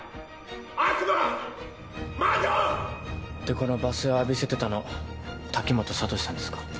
悪魔！魔女！でこの罵声を浴びせてたの滝本悟志さんですか？